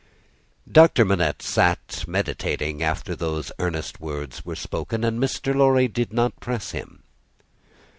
Doctor Manette sat meditating after these earnest words were spoken, and Mr. Lorry did not press him.